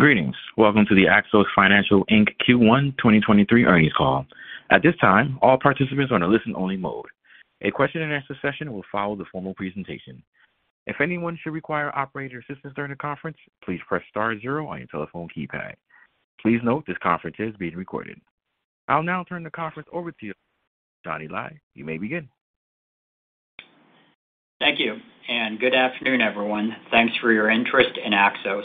Greetings. Welcome to the Axos Financial, Inc. Q1 2023 earnings call. At this time, all participants are on a listen-only mode. A question-and-answer session will follow the formal presentation. If anyone should require operator assistance during the conference, please press star zero on your telephone keypad. Please note this conference is being recorded. I'll now turn the conference over to you, Johnny Lai. You may begin. Thank you, and good afternoon, everyone. Thanks for your interest in Axos.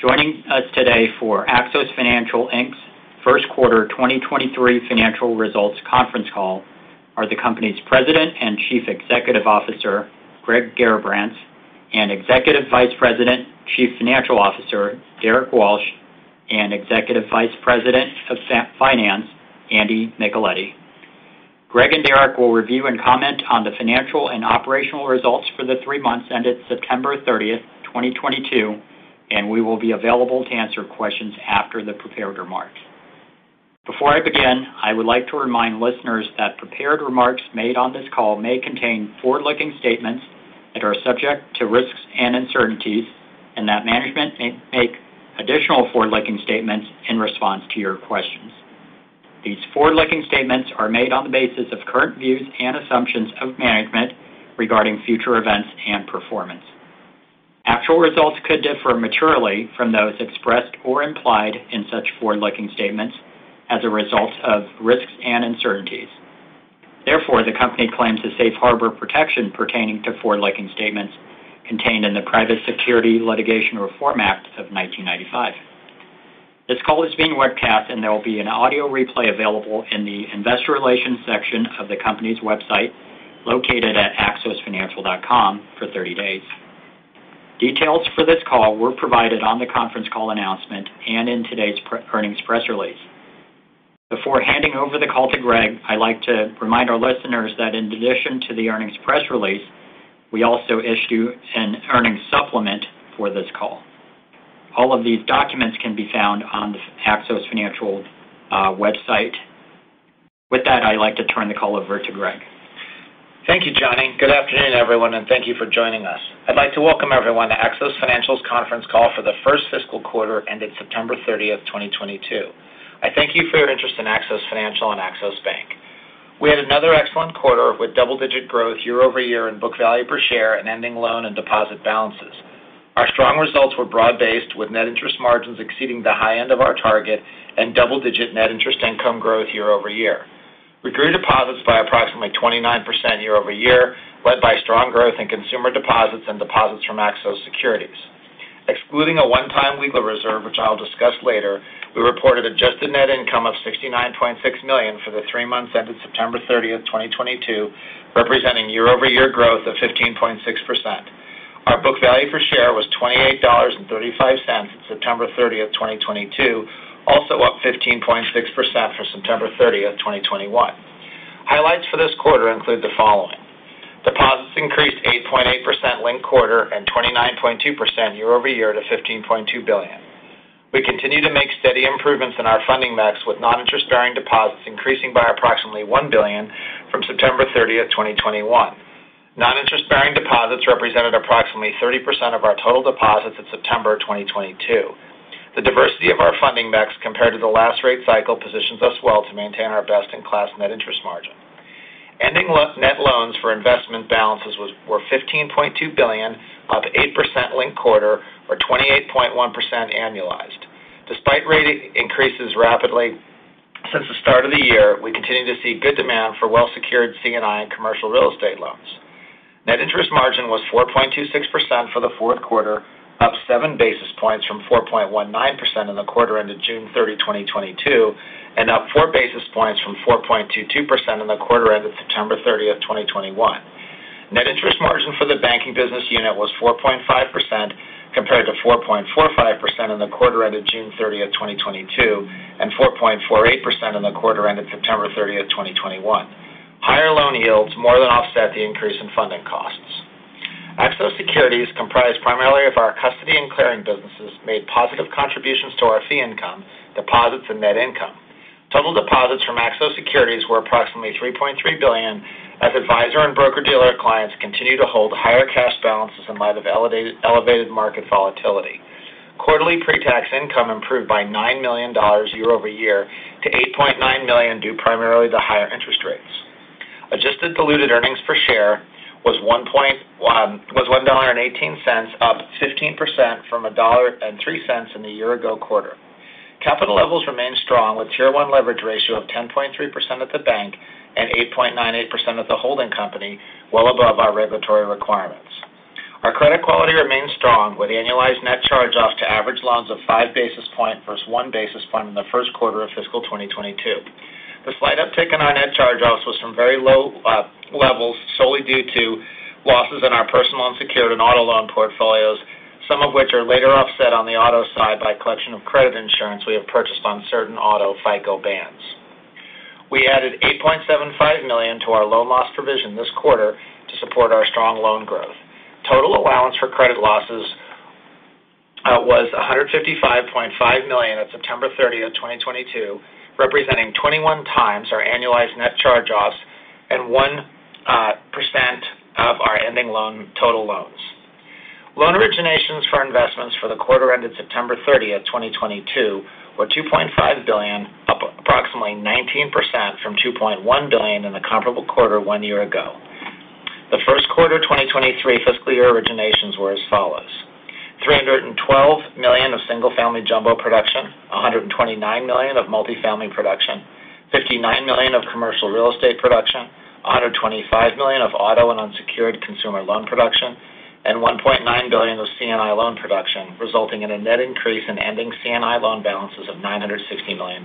Joining us today for Axos Financial, Inc.'s first quarter 2023 financial results conference call are the company's President and Chief Executive Officer, Greg Garrabrants, and Executive Vice President, Chief Financial Officer, Derrick Walsh, and Executive Vice President of Finance, Andrew Micheletti. Greg and Derrick will review and comment on the financial and operational results for the three months ended September 30th, 2022, and we will be available to answer questions after the prepared remarks. Before I begin, I would like to remind listeners that prepared remarks made on this call may contain forward-looking statements that are subject to risks and uncertainties and that management may make additional forward-looking statements in response to your questions. These forward-looking statements are made on the basis of current views and assumptions of management regarding future events and performance. Actual results could differ materially from those expressed or implied in such forward-looking statements as a result of risks and uncertainties. Therefore, the company claims the safe harbor protection pertaining to forward-looking statements contained in the Private Securities Litigation Reform Act of 1995. This call is being webcast, and there will be an audio replay available in the investor relations section of the company's website, located at axosfinancial.com, for 30 days. Details for this call were provided on the conference call announcement and in today's pre-earnings press release. Before handing over the call to Greg, I like to remind our listeners that in addition to the earnings press release, we also issue an earnings supplement for this call. All of these documents can be found on the Axos Financial website. With that, I'd like to turn the call over to Greg. Thank you, Johnny. Good afternoon, everyone, and thank you for joining us. I'd like to welcome everyone to Axos Financial's conference call for the first fiscal quarter ended September 30th, 2022. I thank you for your interest in Axos Financial and Axos Bank. We had another excellent quarter with double-digit growth year-over-year in book value per share and ending loan and deposit balances. Our strong results were broad-based, with net interest margins exceeding the high end of our target and double-digit net interest income growth year-over-year. We grew deposits by approximately 29% year-over-year, led by strong growth in consumer deposits and deposits from Axos Securities. Excluding a one-time legal reserve, which I'll discuss later, we reported adjusted net income of $69.6 million for the three months ended September 30th, 2022, representing year-over-year growth of 15.6%. Our book value per share was $28.35 on September 30th, 2022, also up 15.6% for September 30th, 2021. Highlights for this quarter include the following. Deposits increased 8.8% linked quarter and 29.2% year-over-year to $15.2 billion. We continue to make steady improvements in our funding mix, with non-interest-bearing deposits increasing by approximately $1 billion from September 30th, 2021. Non-interest-bearing deposits represented approximately 30% of our total deposits in September 2022. The diversity of our funding mix compared to the last rate cycle positions us well to maintain our best-in-class net interest margin. Ending net loans for investment balances were $15.2 billion, up 8% linked quarter or 28.1% annualized. Despite rate increases rapidly since the start of the year, we continue to see good demand for well-secured C&I commercial real estate loans. Net interest margin was 4.26% for the fourth quarter, up 7 basis points from 4.19% in the quarter ended June 30th, 2022, and up 4 basis points from 4.22% in the quarter ended September 30th, 2021. Net interest margin for the banking business unit was 4.5% compared to 4.45% in the quarter ended June 30th, 2022, and 4.48% in the quarter ended September 30th, 2021. Higher loan yields more than offset the increase in funding costs. Axos Securities, comprised primarily of our custody and clearing businesses, made positive contributions to our fee income, deposits, and net income. Total deposits from Axos Securities were approximately $3.3 billion as advisor and broker-dealer clients continue to hold higher cash balances in light of elevated market volatility. Quarterly pre-tax income improved by $9 million year-over- year to $8.9 million due primarily to higher interest rates. Adjusted diluted earnings per share was $1.18 up 15% from $1.03 in the year-ago quarter. Capital levels remain strong with Tier 1 leverage ratio of 10.3% at the bank and 8.98% at the holding company, well above our regulatory requirements. Our credit quality remains strong with annualized net charge-offs to average loans of 5 basis points versus 1 basis point in the first quarter of fiscal 2022. The slight uptick in our net charge-offs was from very low levels solely due to losses in our personal unsecured and auto loan portfolios, some of which are later offset on the auto side by collection of credit insurance we have purchased on certain auto FICO bands. We added $8.75 million to our loan loss provision this quarter to support our strong loan growth. Total allowance for credit losses was $155.5 million on September 30th, 2022, representing 21 times our annualized net charge-offs and 1% of ending total loans. Loan originations for investments for the quarter ended September 30th, 2022 were $2.5 billion, up approximately 19% from $2.1 billion in the comparable quarter one year ago. The first quarter 2023 fiscal year originations were as follows, $312 million of single-family Jumbo production, $129 million of multifamily production, $59 million of commercial real estate production, $125 million of auto and unsecured consumer loan production, and $1.9 billion of C&I loan production, resulting in a net increase in ending C&I loan balances of $960 million.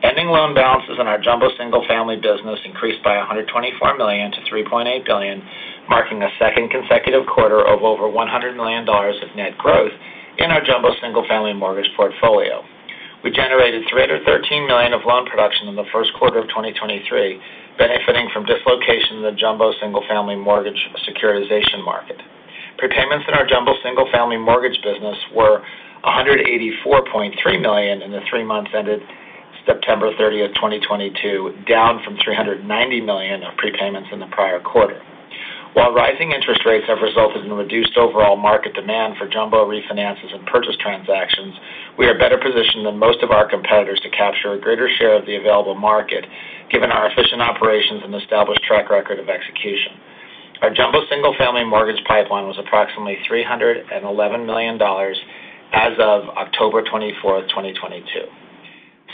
Ending loan balances in our Jumbo single-family business increased by $124 million to $3.8 billion, marking a second consecutive quarter of over $100 million of net growth in our Jumbo single-family mortgage portfolio. We generated $313 million of loan production in the first quarter of 2023, benefiting from dislocation in the Jumbo single-family mortgage securitization market. Prepayments in our Jumbo single-family mortgage business were $184.3 million in the three months ended September 30th, 2022, down from $390 million of prepayments in the prior quarter. While rising interest rates have resulted in reduced overall market demand for Jumbo refinances and purchase transactions, we are better positioned than most of our competitors to capture a greater share of the available market given our efficient operations and established track record of execution. Our Jumbo single-family mortgage pipeline was approximately $311 million as of October 24th, 2022.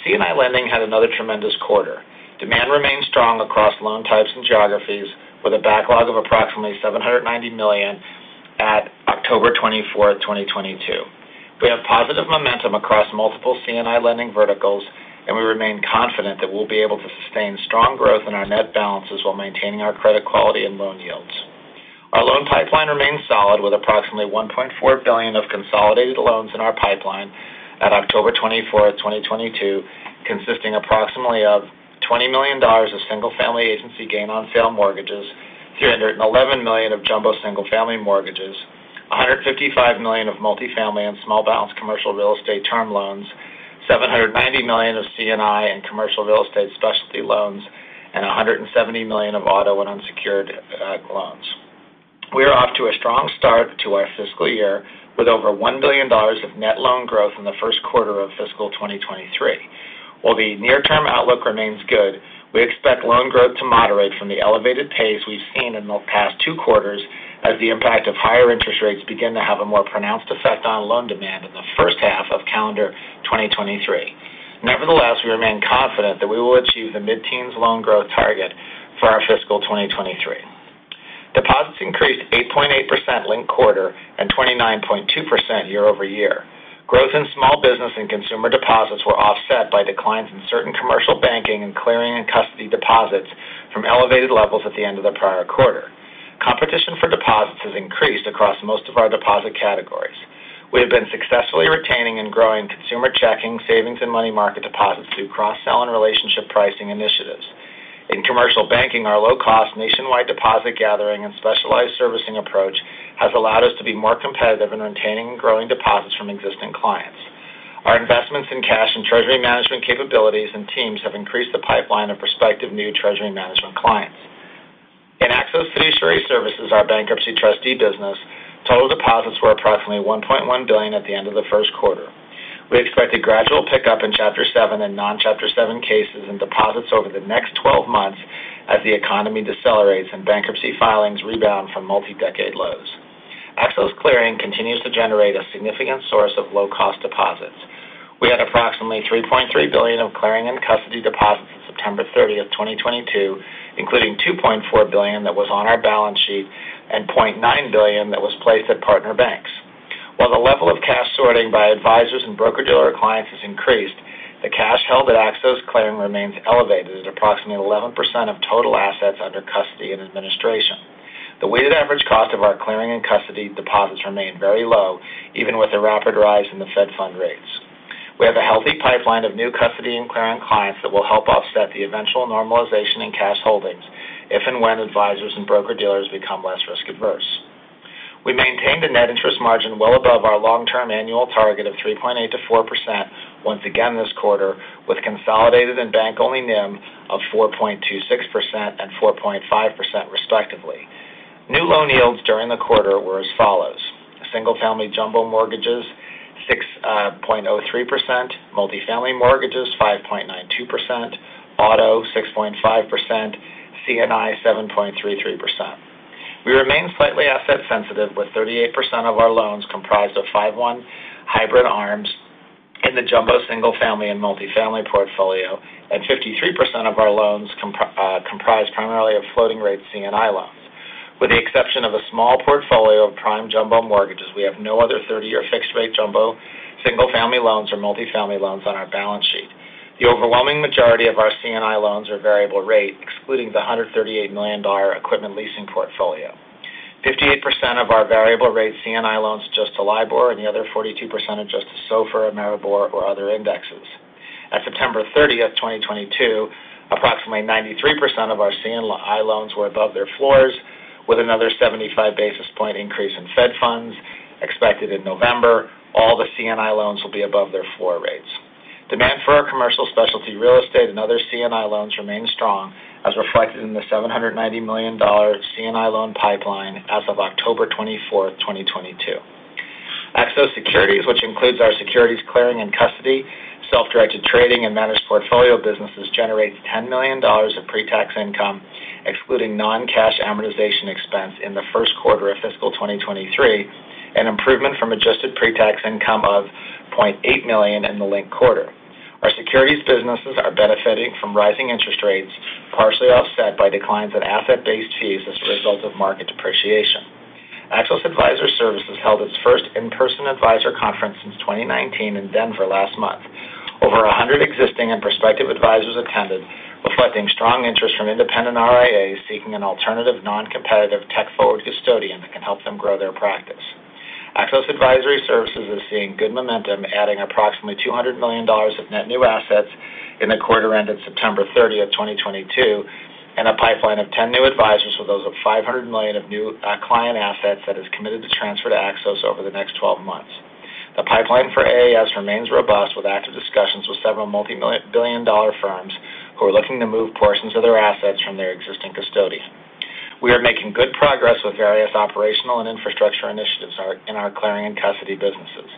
C&I Lending had another tremendous quarter. Demand remains strong across loan types and geographies with a backlog of approximately $790 million at October 24th, 2022. We have positive momentum across multiple C&I lending verticals, and we remain confident that we'll be able to sustain strong growth in our net balances while maintaining our credit quality and loan yields. Our loan pipeline remains solid with approximately $1.4 billion of consolidated loans in our pipeline at October 24th, 2022, consisting approximately of $20 million of single-family agency gain on sale mortgages, $311 million of Jumbo single-family mortgages, $155 million of multifamily and small balance commercial real estate term loans, $790 million of C&I and commercial real estate specialty loans, and $170 million of auto and unsecured loans. We are off to a strong start to our fiscal year with over $1 billion of net loan growth in the first quarter of fiscal 2023. While the near-term outlook remains good, we expect loan growth to moderate from the elevated pace we've seen in the past two quarters as the impact of higher interest rates begin to have a more pronounced effect on loan demand in the first half of calendar 2023. Nevertheless, we remain confident that we will achieve the mid-teens loan growth target for our fiscal 2023. Deposits increased 8.8% linked quarter and 29.2% year-over-year. Growth in small business and consumer deposits were offset by declines in certain commercial banking and clearing and custody deposits from elevated levels at the end of the prior quarter. Competition for deposits has increased across most of our deposit categories. We have been successfully retaining and growing consumer checking, savings, and money market deposits through cross-sell and relationship pricing initiatives. In commercial banking, our low-cost nationwide deposit gathering and specialized servicing approach has allowed us to be more competitive in retaining and growing deposits from existing clients. Our investments in cash and treasury management capabilities and teams have increased the pipeline of prospective new treasury management clients. In Axos Fiduciary Services, our bankruptcy trustee business, total deposits were approximately $1.1 billion at the end of the first quarter. We expect a gradual pickup in Chapter 7 and non-Chapter 7 cases and deposits over the next twelve months as the economy decelerates and bankruptcy filings rebound from multi-decade lows. Axos Clearing continues to generate a significant source of low-cost deposits. We had approximately $3.3 billion of clearing and custody deposits as of September 30th, 2022, including $2.4 billion that was on our balance sheet and $0.9 billion that was placed at partner banks. While the level of cash sorting by advisors and broker-dealer clients has increased, the cash held at Axos Clearing remains elevated at approximately 11% of total assets under custody and administration. The weighted average cost of our clearing and custody deposits remain very low, even with a rapid rise in the federal funds rate. We have a healthy pipeline of new custody and clearing clients that will help offset the eventual normalization in cash holdings if and when advisors and broker-dealers become less risk-averse. We maintained a net interest margin well above our long-term annual target of 3.8%-4% once again this quarter, with consolidated and bank-only NIM of 4.26% and 4.5% respectively. New loan yields during the quarter were as follows. Single-family Jumbo mortgages, 6.03%. Multifamily mortgages, 5.92%. Auto, 6.5%. C&I, 7.33%. We remain slightly asset sensitive, with 38% of our loans comprised of 5/1 hybrid ARMs in the Jumbo single-family and multifamily portfolio, and 53% of our loans comprised primarily of floating-rate C&I loans. With the exception of a small portfolio of prime Jumbo mortgages, we have no other 30-year fixed-rate Jumbo single-family loans or multifamily loans on our balance sheet. The overwhelming majority of our C&I loans are variable rate, excluding the $138 million equipment leasing portfolio. 58% of our variable rate C&I loans adjust to LIBOR, and the other 42% adjust to SOFR, AMERIBOR, or other indexes. At September 30th, 2022, approximately 93% of our C&I loans were above their floors, with another 75 basis point increase in Fed Funds expected in November, all the C&I loans will be above their floor rates. Demand for our commercial specialty real estate and other C&I loans remain strong, as reflected in the $790 million C&I loan pipeline as of October 24th, 2022. Axos Securities, which includes our securities clearing and custody, self-directed trading and managed portfolio businesses, generates $10 million of pre-tax income, excluding non-cash amortization expense in the first quarter of fiscal 2023, an improvement from adjusted pre-tax income of $0.8 million in the linked quarter. Our securities businesses are benefiting from rising interest rates, partially offset by declines in asset-based fees as a result of market depreciation. Axos Advisor Services held its first in-person advisor conference since 2019 in Denver last month. Over 100 existing and prospective advisors attended, reflecting strong interest from independent RIAs seeking an alternative, non-competitive, tech-forward custodian that can help them grow their practice. Axos Advisor Services is seeing good momentum, adding approximately $200 million of net new assets in the quarter ended September 30th, 2022, and a pipeline of 10 new advisors with over $500 million of new client assets that is committed to transfer to Axos over the next 12 months. The pipeline for AAS remains robust with active discussions with several billion-dollar firms who are looking to move portions of their assets from their existing custody. We are making good progress with various operational and infrastructure initiatives in our clearing and custody businesses.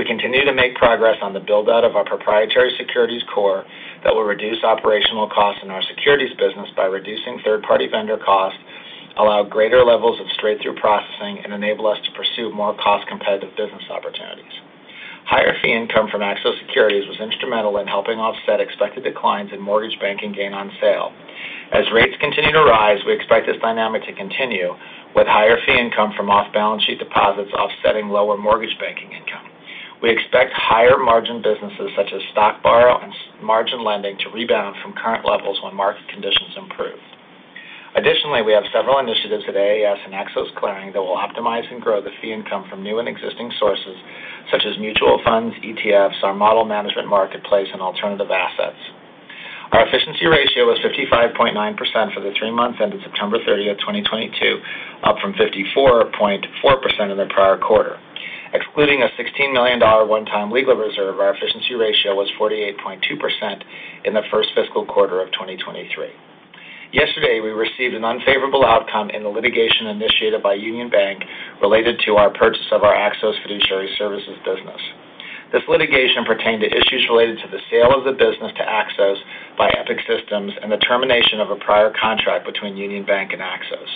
We continue to make progress on the build-out of our proprietary securities core that will reduce operational costs in our securities business by reducing third-party vendor costs, allow greater levels of straight-through processing, and enable us to pursue more cost-competitive business opportunities. Higher fee income from Axos Securities was instrumental in helping offset expected declines in mortgage banking gain on sale. As rates continue to rise, we expect this dynamic to continue, with higher fee income from off-balance sheet deposits offsetting lower mortgage banking income. We expect higher margin businesses such as stock borrow and margin lending to rebound from current levels when market conditions improve. Additionally, we have several initiatives at AAS and Axos Clearing that will optimize and grow the fee income from new and existing sources such as mutual funds, ETFs, our model management marketplace, and alternative assets. Our efficiency ratio was 55.9% for the three months ended September 30th, 2022, up from 54.4% in the prior quarter. Excluding a $16 million one-time legal reserve, our efficiency ratio was 48.2% in the first fiscal quarter of 2023. Yesterday, we received an unfavorable outcome in the litigation initiated by Union Bank related to our purchase of our Axos Fiduciary Services business. This litigation pertained to issues related to the sale of the business to Axos by Epiq Systems and the termination of a prior contract between Union Bank and Axos.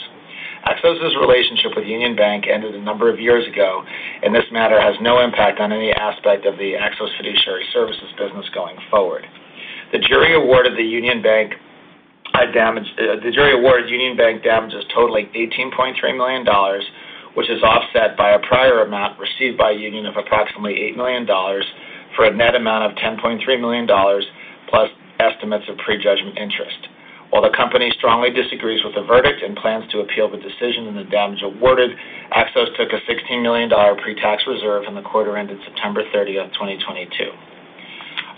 Axos's relationship with Union Bank ended a number of years ago, and this matter has no impact on any aspect of the Axos Fiduciary Services business going forward. The jury awarded Union Bank damages totaling $18.3 million, which is offset by a prior amount received by Union of approximately $8 million for a net amount of $10.3 million plus estimates of prejudgment interest. While the company strongly disagrees with the verdict and plans to appeal the decision and the damage awarded, Axos took a $16 million pre-tax reserve in the quarter ended September 30th, 2022.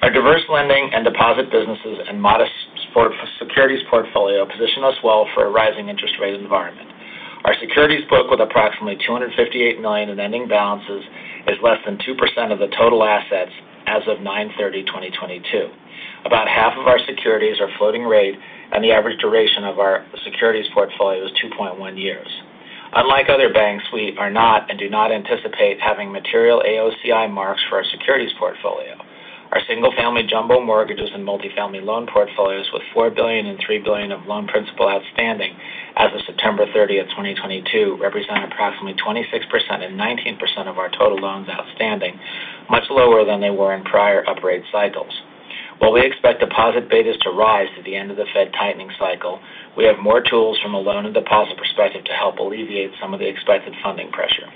Our diverse lending and deposit businesses and modest support for securities portfolio position us well for a rising interest rate environment. Our securities book with approximately $258 million in ending balances is less than 2% of the total assets as of 09/30/2022. About half of our securities are floating rate, and the average duration of our securities portfolio is 2.1 years. Unlike other banks, we are not and do not anticipate having material AOCI marks for our securities portfolio. Our single-family Jumbo mortgages and multifamily loan portfolios with $4 billion and $3 billion of loan principal outstanding as of September 30th, 2022, represent approximately 26% and 19% of our total loans outstanding, much lower than they were in prior upgrade cycles. While we expect deposit betas to rise at the end of the Fed tightening cycle, we have more tools from a loan and deposit perspective to help alleviate some of the expected funding pressure.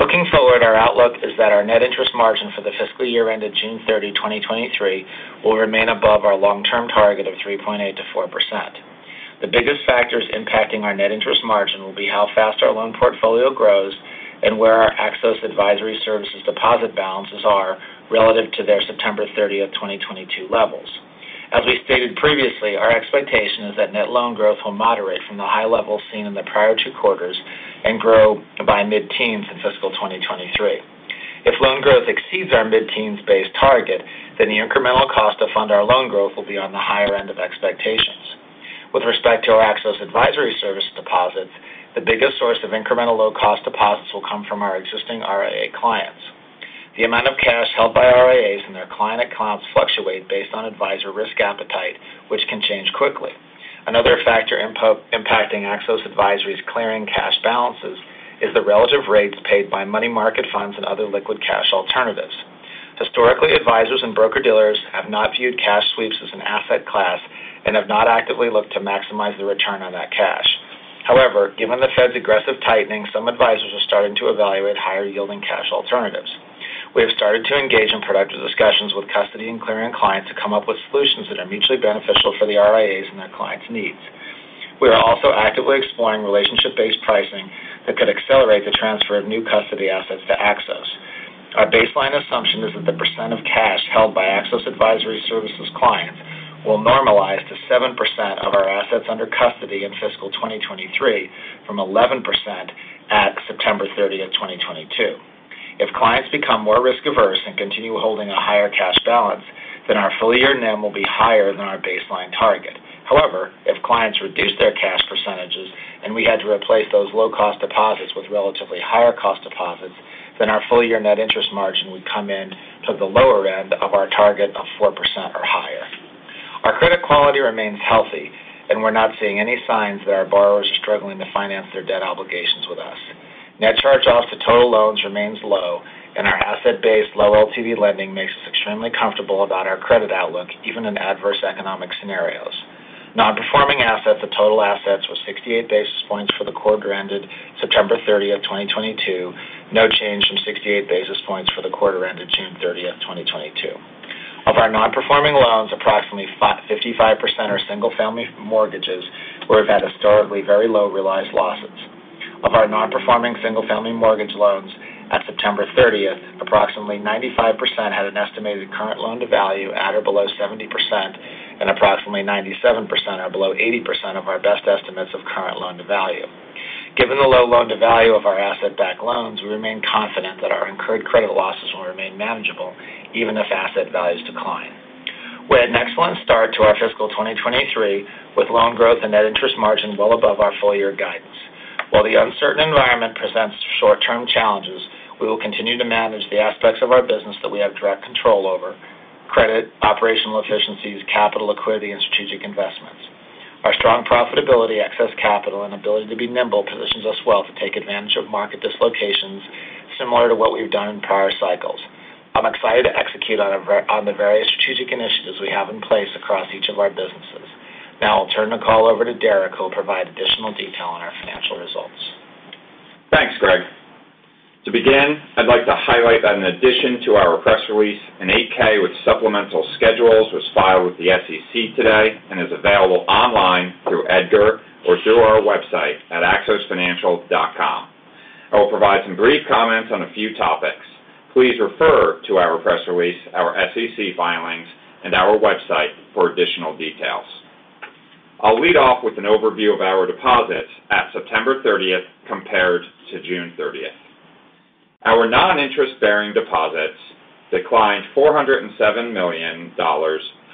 Looking forward, our outlook is that our net interest margin for the fiscal year ended June 30th, 2023 will remain above our long-term target of 3.8%-4%. The biggest factors impacting our net interest margin will be how fast our loan portfolio grows and where our Axos Advisor Services deposit balances are relative to their September 30th, 2022 levels. As we stated previously, our expectation is that net loan growth will moderate from the high levels seen in the prior two quarters and grow by mid-teens in fiscal 2023. If loan growth exceeds our mid-teens base target, then the incremental cost to fund our loan growth will be on the higher end of expectations. With respect to our Axos Advisor Services deposits, the biggest source of incremental low-cost deposits will come from our existing RIA clients. The amount of cash held by RIAs and their client accounts fluctuate based on advisor risk appetite, which can change quickly. Another factor impacting Axos Advisor Services' clearing cash balances is the relative rates paid by money market funds and other liquid cash alternatives. Historically, advisors and broker-dealers have not viewed cash sweeps as an asset class and have not actively looked to maximize the return on that cash. However, given the Fed's aggressive tightening, some advisors are starting to evaluate higher yielding cash alternatives. We have started to engage in productive discussions with custody and clearing clients to come up with solutions that are mutually beneficial for the RIAs and their clients' needs. We are also actively exploring relationship-based pricing that could accelerate the transfer of new custody assets to Axos. Our baseline assumption is that the percent of cash held by Axos Advisor Services clients will normalize to 7% of our assets under custody in fiscal 2023 from 11% at September 30, 2022. If clients become more risk averse and continue holding a higher cash balance, then our full-year NIM will be higher than our baseline target. However, if clients reduce their cash percentages and we had to replace those low-cost deposits with relatively higher cost deposits, then our full-year net interest margin would come in to the lower end of our target of 4% or higher. Our credit quality remains healthy, and we're not seeing any signs that our borrowers are struggling to finance their debt obligations with us. Net charge-offs to total loans remains low, and our asset-based low LTV lending makes us extremely comfortable about our credit outlook even in adverse economic scenarios. Non-performing assets of total assets was 68 basis points for the quarter ended September 30th, 2022, no change from 68 basis points for the quarter ended June 30th, 2022. Of our non-performing loans, approximately 55% are single-family mortgages, where we've had historically very low realized losses. Of our non-performing single-family mortgage loans at September 30th, approximately 95% had an estimated current loan-to-value at or below 70%, and approximately 97% are below 80% of our best estimates of current loan-to-value. Given the low loan-to-value of our asset-backed loans, we remain confident that our incurred credit losses will remain manageable even if asset values decline. We had an excellent start to our fiscal 2023, with loan growth and net interest margin well above our full-year guidance. While the uncertain environment presents short-term challenges, we will continue to manage the aspects of our business that we have direct control over credit, operational efficiencies, capital, liquidity, and strategic investments. Our strong profitability, excess capital, and ability to be nimble positions us well to take advantage of market dislocations, similar to what we've done in prior cycles. I'm excited to execute on the various strategic initiatives we have in place across each of our businesses. Now I'll turn the call over to Derrick, who will provide additional detail on our financial results. Thanks, Greg. To begin, I'd like to highlight that in addition to our press release, an 8-K with supplemental schedules was filed with the SEC today and is available online through EDGAR or through our website at axosfinancial.com. I will provide some brief comments on a few topics. Please refer to our press release, our SEC filings, and our website for additional details. I'll lead off with an overview of our deposits at September 30th compared to June 30th. Our non-interest-bearing deposits declined $407 million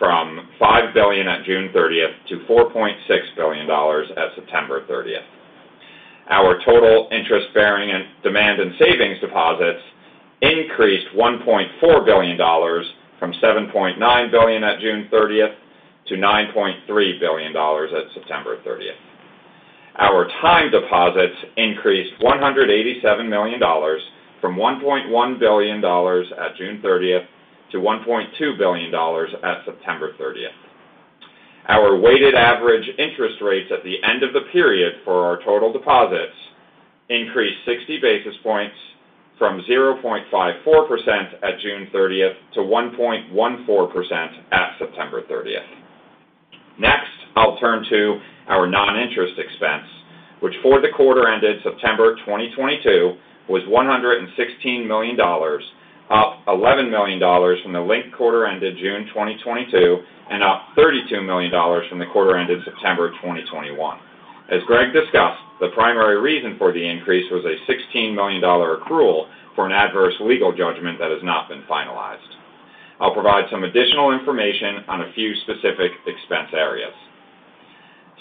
from $5 billion at June 30th to $4.6 billion at September 30th. Our total interest-bearing and demand and savings deposits increased $1.4 billion from $7.9 billion at June 30th to $9.3 billion at September 30th. Our time deposits increased $187 million from $1.1 billion at June 30th to $1.2 billion at September 30th. Our weighted average interest rates at the end of the period for our total deposits increased 60 basis points from 0.54% at June 30th to 1.14% at September 30th. Next, I'll turn to our non-interest expense, which for the quarter ended September 2022 was $116 million, up $11 million from the linked quarter ended June 2022, and up $32 million from the quarter ended September 2021. As Greg discussed, the primary reason for the increase was a $16 million accrual for an adverse legal judgment that has not been finalized. I'll provide some additional information on a few specific expense areas.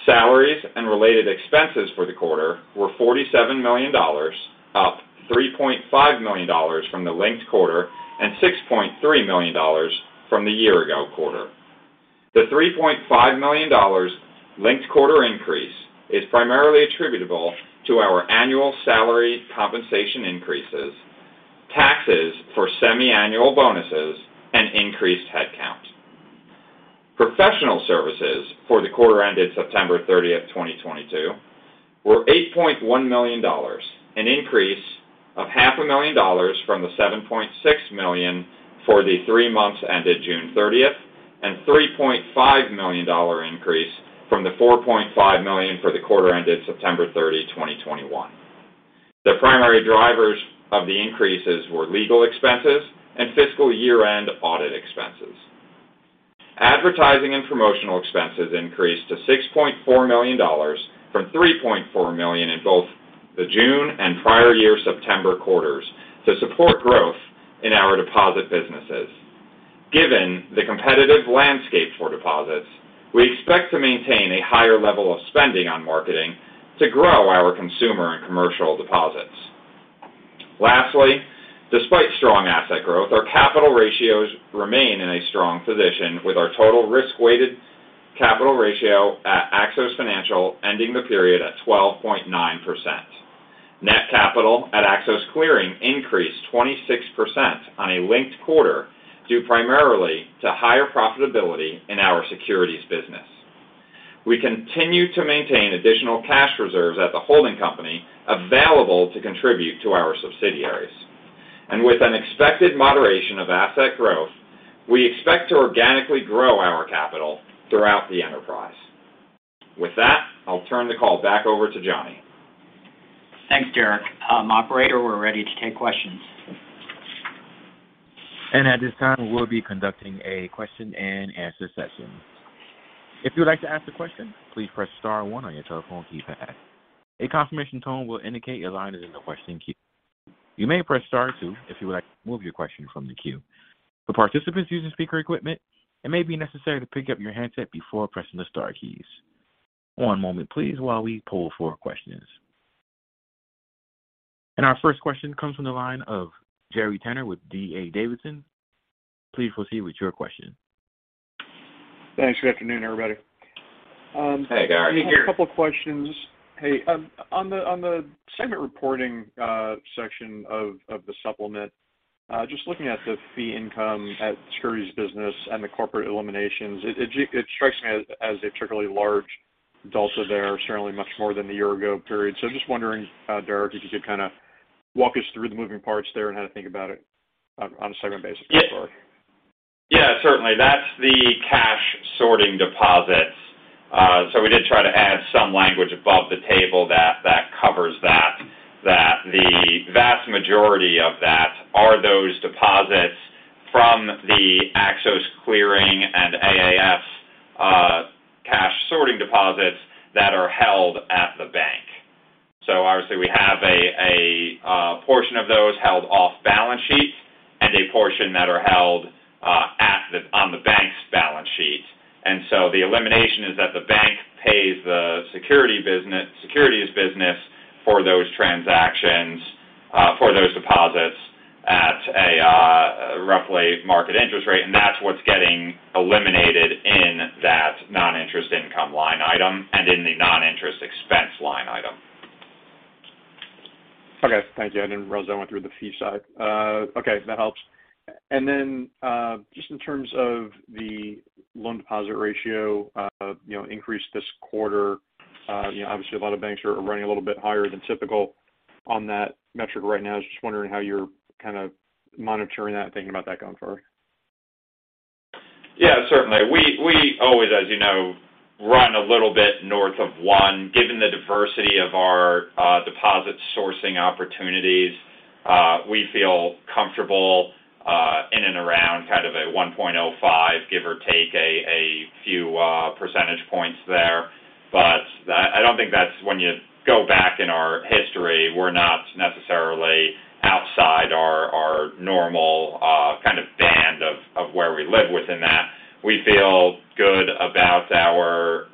Salaries and related expenses for the quarter were $47 million, up $3.5 million from the linked quarter and $6.3 million from the year ago quarter. The $3.5 million linked quarter increase is primarily attributable to our annual salary compensation increases, taxes for semiannual bonuses, and increased headcount. Professional services for the quarter ended September 30th, 2022 were $8.1 million, an increase of $500,000 from the $7.6 million for the three months ended June 30th, and $3.5 million-dollar increase from the $4.5 million for the quarter ended September 30, 2021. The primary drivers of the increases were legal expenses and fiscal year-end audit expenses. Advertising and promotional expenses increased to $6.4 million from $3.4 million in both the June and prior year September quarters to support growth in our deposit businesses. Given the competitive landscape for deposits, we expect to maintain a higher level of spending on marketing to grow our consumer and commercial deposits. Lastly, despite strong asset growth, our capital ratios remain in a strong position, with our total risk-weighted capital ratio at Axos Financial ending the period at 12.9%. Net capital at Axos Clearing increased 26% on a linked quarter, due primarily to higher profitability in our securities business. We continue to maintain additional cash reserves at the holding company available to contribute to our subsidiaries. With an expected moderation of asset growth, we expect to organically grow our capital throughout the enterprise. With that, I'll turn the call back over to Johnny. Thanks, Derrick. Operator, we're ready to take questions. At this time, we'll be conducting a question and answer session. If you'd like to ask a question, please press star one on your telephone keypad. A confirmation tone will indicate your line is in the question queue. You may press star two if you would like to remove your question from the queue. For participants using speaker equipment, it may be necessary to pick up your handset before pressing the star keys. One moment please while we poll for questions. Our first question comes from the line of Gary Tenner with D.A. Davidson. Please proceed with your question. Thanks. Good afternoon, everybody. Hey, Gary. A couple of questions. Hey, on the segment reporting section of the supplement, just looking at the fee income at securities business and the corporate eliminations, it strikes me as a particularly large delta there, certainly much more than the year-ago period. I'm just wondering, Derrick, if you could kind of walk us through the moving parts there and how to think about it on a segment basis going forward. Yeah, certainly. That's the cash sorting deposits. So we did try to add some language above the table that covers that the vast majority of that are those deposits from the Axos Clearing and AAS, cash sorting deposits that are held at the bank. So obviously, we have a portion of those held off balance sheet and a portion that are held on the bank's balance sheet. The elimination is that the bank pays the securities business for those transactions, for those deposits at a roughly market interest rate, and that's what's getting eliminated in that non-interest income line item and in the non-interest expense line item. Okay. Thank you. I didn't realize I went through the fee side. Okay, that helps. Then, just in terms of the loan deposit ratio, you know, increase this quarter, you know, obviously a lot of banks are running a little bit higher than typical on that metric right now. Just wondering how you're kind of monitoring that and thinking about that going forward. Yeah, certainly. We always, as you know, run a little bit north of 1%. Given the diversity of our deposit sourcing opportunities, we feel comfortable in and around kind of a 1.05%, give or take a few percentage points there. But I don't think that's when you go back in our history, we're not necessarily outside our normal kind of band of where we live within that. We feel good about our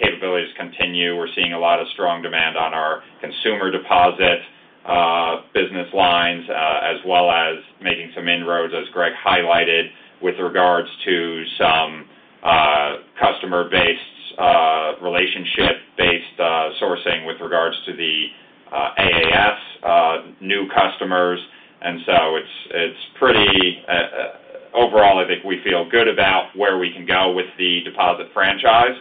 capabilities continue. We're seeing a lot of strong demand on our consumer deposit business lines as well as making some inroads, as Greg highlighted, with regards to some customer-based relationship-based sourcing with regards to the AAS new customers. It's pretty overall. I think we feel good about where we can go with the deposit franchise.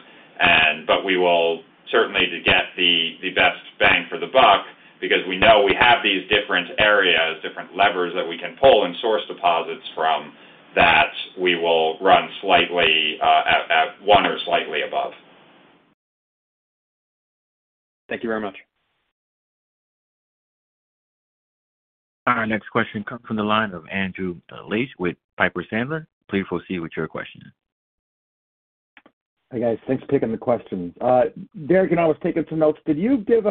We will certainly try to get the best bang for the buck because we know we have these different areas, different levers that we can pull and source deposits from that we will run slightly at one or slightly above. Thank you very much. Our next question comes from the line of Andrew Liesch with Piper Sandler. Please proceed with your question. Hi, guys. Thanks for taking the question. Derrick and I was taking some notes. Could you give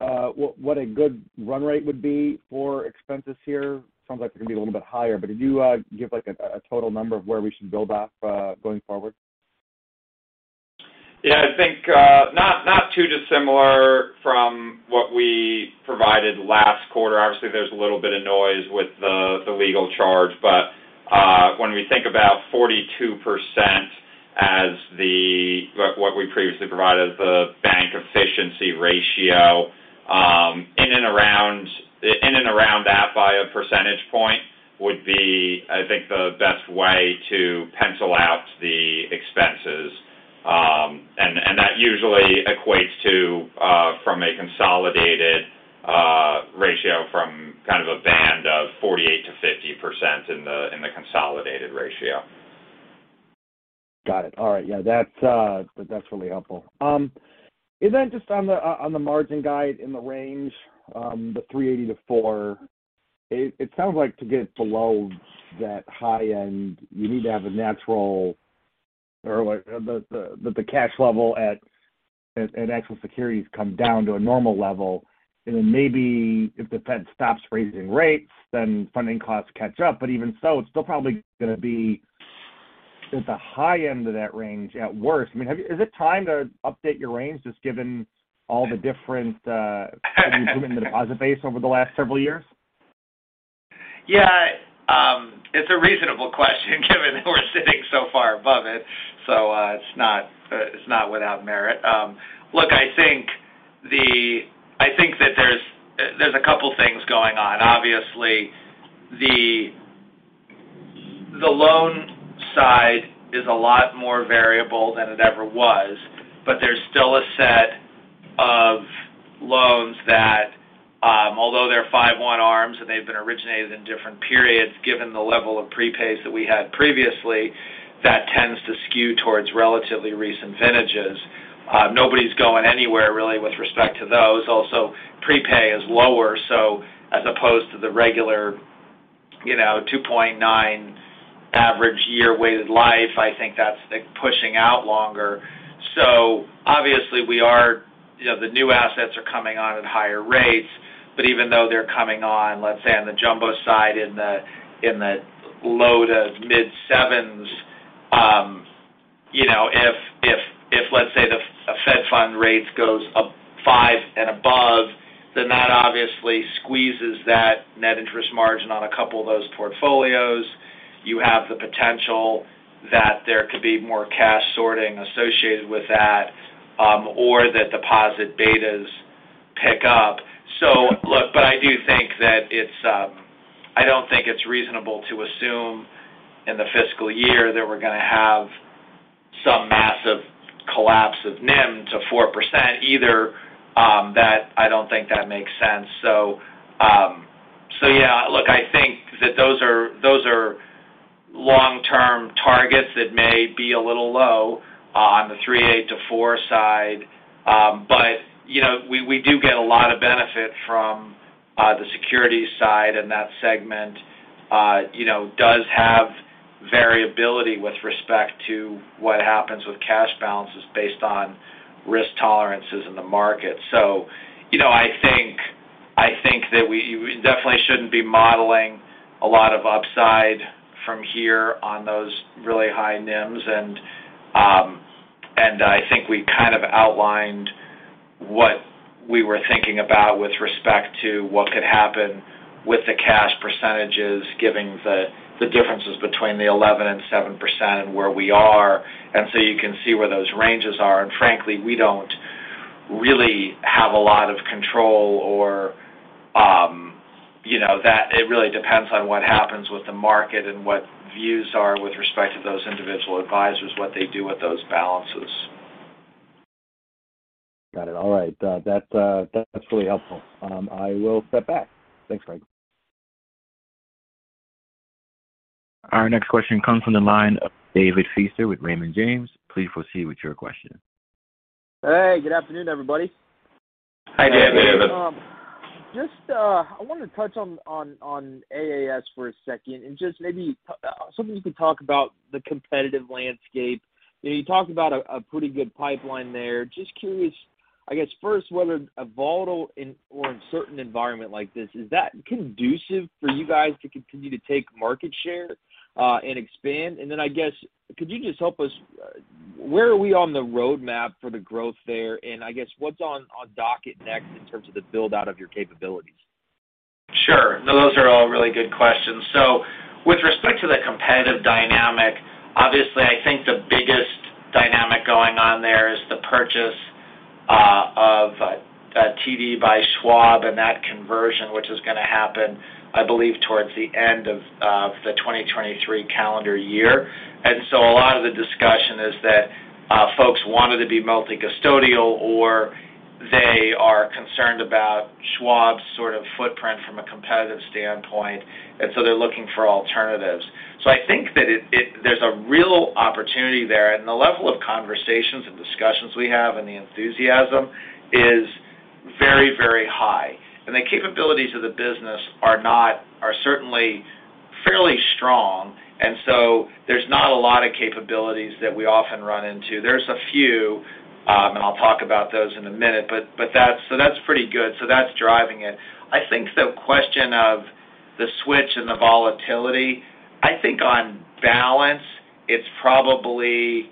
what a good run rate would be for expenses here? Sounds like it could be a little bit higher, but did you give, like, a total number of where we should build up going forward? Yeah, I think not too dissimilar from what we provided last quarter. Obviously, there's a little bit of noise with the legal charge. When we think about 42% as the what we previously provided, the bank efficiency ratio, in and around that by a percentage point would be, I think, the best way to pencil out the expenses. That usually equates to from a consolidated ratio from kind of a band of 48%-50% in the consolidated ratio. Got it. All right. Yeah, that's really helpful. And then just on the margin guide in the range, the 3.80%-4%, it sounds like to get below that high end, you need to have a natural or like the cash level at actual securities come down to a normal level. Then maybe if the Fed stops raising rates, funding costs catch up. Even so, it's still probably gonna be at the high end of that range at worst. Is it time to update your range just given all the different improvement in the deposit base over the last several years? Yeah, it's a reasonable question given we're sitting so far above it, so it's not without merit. Look, I think that there's a couple of things going on. Obviously, the loan side is a lot more variable than it ever was, but there's still a set. The level of prepays that we had previously, that tends to skew towards relatively recent vintages. Nobody's going anywhere really with respect to those. Also prepay is lower, so as opposed to the regular, you know, 2.9 average year weighted life. I think that's like pushing out longer. Obviously we are, you know, the new assets are coming on at higher rates, but even though they're coming on, let's say on the Jumbo side in the low- to mid-7s, you know, if let's say the Fed funds rate goes up 5% and above, then that obviously squeezes that net interest margin on a couple of those portfolios. You have the potential that there could be more cash sorting associated with that, or that deposit betas pick up. Look, but I do think that it's. I don't think it's reasonable to assume in the fiscal year that we're gonna have some massive collapse of NIM to 4% either. I don't think that makes sense. Yeah. Look, I think that those are long-term targets that may be a little low on the 3.8%-4% side. But you know, we do get a lot of benefit from the securities side and that segment you know does have variability with respect to what happens with cash balances based on risk tolerances in the market. You know, I think that we definitely shouldn't be modeling a lot of upside from here on those really high NIMs and I think we kind of outlined what we were thinking about with respect to what could happen with the cash percentages giving the differences between the 11% and 7% and where we are. You can see where those ranges are. Frankly, we don't really have a lot of control or, you know, that it really depends on what happens with the market and what views are with respect to those individual advisors, what they do with those balances. Got it. All right. That, that's really helpful. I will step back. Thanks, Greg. Our next question comes from the line of David Feaster with Raymond James. Please proceed with your question. Hey, good afternoon, everybody. Hi, David. Just, I wanted to touch on AAS for a second and just maybe something you could talk about the competitive landscape. You talked about a pretty good pipeline there. Just curious, I guess, first, whether a volatile or uncertain environment like this is that conducive for you guys to continue to take market share and expand? And then I guess, could you just help us, where are we on the roadmap for the growth there? And I guess what's on docket next in terms of the build-out of your capabilities? Sure. Those are all really good questions. With respect to the competitive dynamic, obviously, I think the biggest dynamic going on there is the purchase of TD by Schwab and that conversion, which is gonna happen, I believe towards the end of the 2023 calendar year. A lot of the discussion is that folks wanted to be multi-custodial or they are concerned about Schwab's sort of footprint from a competitive standpoint, and so they're looking for alternatives. I think that there's a real opportunity there. The level of conversations and discussions we have and the enthusiasm is very, very high. The capabilities of the business are certainly fairly strong, and so there's not a lot of capabilities that we often run into. There's a few, and I'll talk about those in a minute. That's pretty good. That's driving it. I think the question of the switch and the volatility, I think on balance, it's probably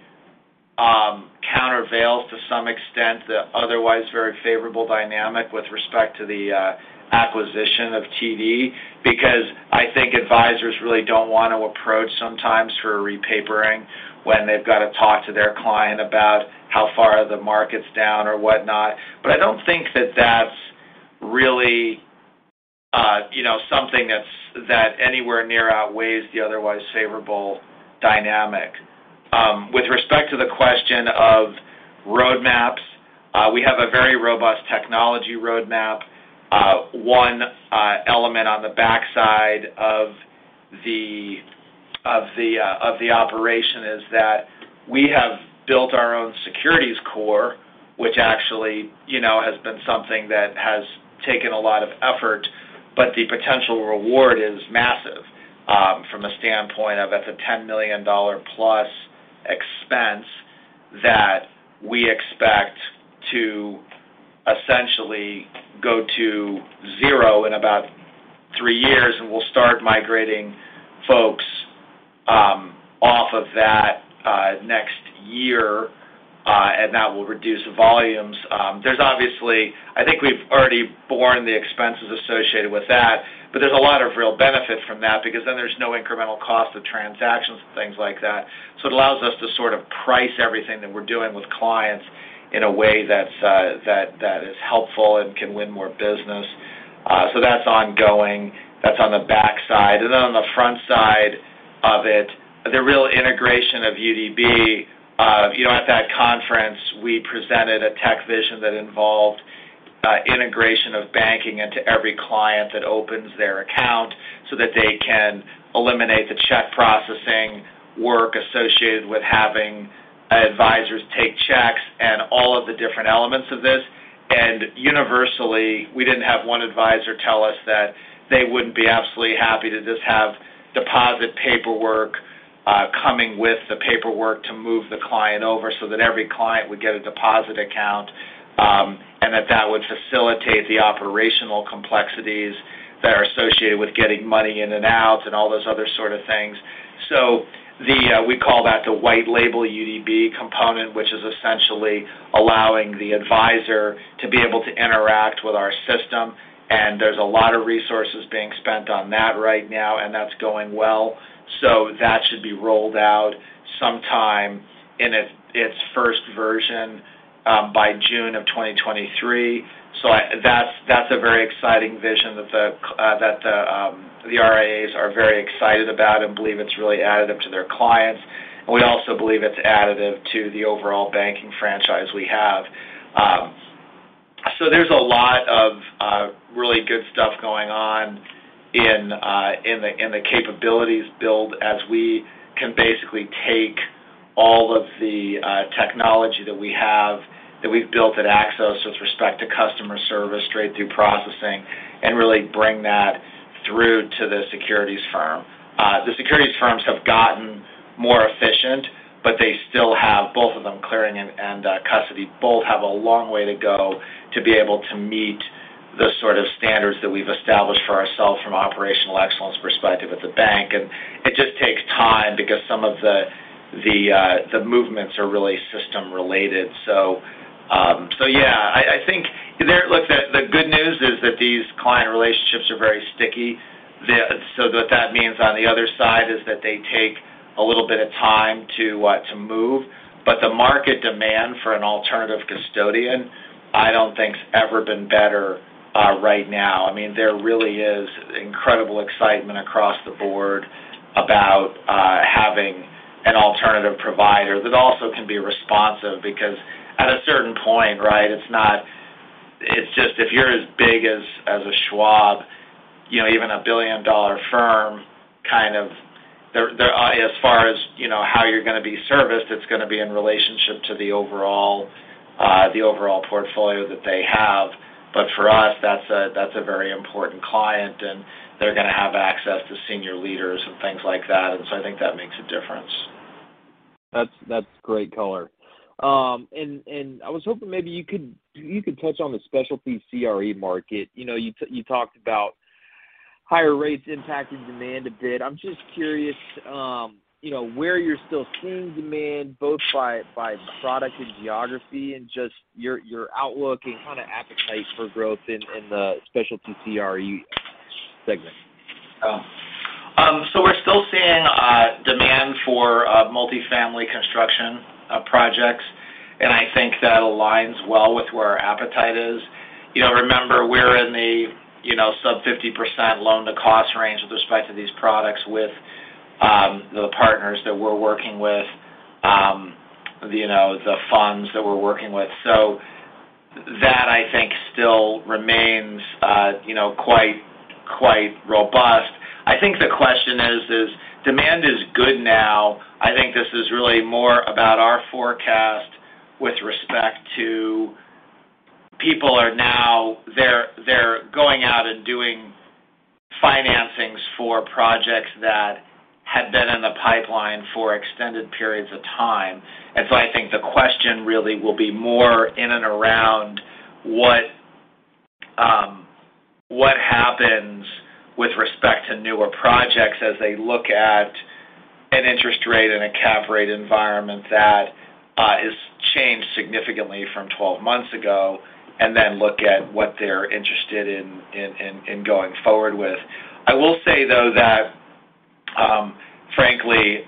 countervails to some extent the otherwise very favorable dynamic with respect to the acquisition of TD. Because I think advisors really don't want to approach sometimes for a repapering when they've got to talk to their client about how far the market's down or whatnot. I don't think that's really, you know, something that anywhere near outweighs the otherwise favorable dynamic. With respect to the question of roadmaps, we have a very robust technology roadmap. One element on the backside of the operation is that we have built our own securities core, which actually, you know, has been something that has taken a lot of effort, but the potential reward is massive, from a standpoint of it's a $10 million plus expense that we expect to essentially go to zero in about three years, and we'll start migrating folks off of that next year, and that will reduce the volumes. There's obviously, I think we've already borne the expenses associated with that, but there's a lot of real benefit from that because then there's no incremental cost of transactions and things like that. It allows us to sort of price everything that we're doing with clients in a way that's that is helpful and can win more business. That's ongoing. That's on the backside. Then on the front side of it, the real integration of UDB. At that conference, we presented a tech vision that involved integration of banking into every client that opens their account so that they can eliminate the check processing work associated with having advisors take checks and all of the different elements of this. Universally, we didn't have one advisor tell us that they wouldn't be absolutely happy to just have deposit paperwork coming with the paperwork to move the client over so that every client would get a deposit account, and that would facilitate the operational complexities that are associated with getting money in and out and all those other sort of things. We call that the white label UDB component, which is essentially allowing the advisor to be able to interact with our system. There's a lot of resources being spent on that right now, and that's going well. That should be rolled out sometime in its first version by June of 2023. That's a very exciting vision that the RIAs are very excited about and believe it's really additive to their clients. We also believe it's additive to the overall banking franchise we have. There's a lot of really good stuff going on in the capabilities build as we can basically take all of the technology that we have, that we've built at Axos with respect to customer service straight through processing and really bring that through to the securities firm. The securities firms have gotten more efficient, but they still have both of them clearing and custody. Both have a long way to go to be able to meet the sort of standards that we've established for ourselves from operational excellence perspective at the bank. It just takes time because some of the movements are really system related. Yeah. I think, look, the good news is that these client relationships are very sticky. What that means on the other side is that they take a little bit of time to move. The market demand for an alternative custodian, I don't think's ever been better, right now. I mean, there really is incredible excitement across the board about having an alternative provider that also can be responsive because at a certain point, right, it's just if you're as big as a Schwab, you know, even a billion-dollar firm kind of, they're as far as, you know, how you're gonna be serviced, it's gonna be in relationship to the overall portfolio that they have. For us, that's a very important client, and they're gonna have access to senior leaders and things like that. I think that makes a difference. That's great color. I was hoping maybe you could touch on the specialty CRE market. You talked about higher rates impacting demand a bit. I'm just curious where you're still seeing demand both by product and geography and just your outlook and kind of appetite for growth in the specialty CRE segment. We're still seeing demand for multifamily construction projects, and I think that aligns well with where our appetite is. You know, remember we're in the you know, sub-50% loan-to-cost range with respect to these products with the partners that we're working with, you know, the funds that we're working with. That I think still remains you know, quite robust. I think the question is, demand is good now. I think this is really more about our forecast with respect to people are now going out and doing financings for projects that had been in the pipeline for extended periods of time. I think the question really will be more in and around what happens with respect to newer projects as they look at an interest rate and a cap rate environment that has changed significantly from 12 months ago, and then look at what they're interested in going forward with. I will say though that, frankly,